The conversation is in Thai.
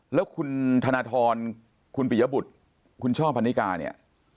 แล้วคุณธนทรคุณปิยบุตรคุณช่อพันนิกาเนี่ย